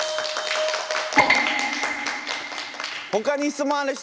ほかに質問ある人？